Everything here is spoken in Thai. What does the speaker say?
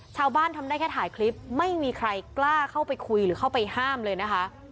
ทำได้แค่ถ่ายคลิปไม่มีใครกล้าเข้าไปคุยหรือเข้าไปห้ามเลยนะคะ